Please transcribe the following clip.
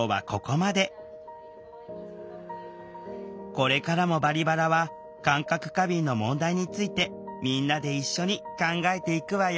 これからも「バリバラ」は感覚過敏の問題についてみんなで一緒に考えていくわよ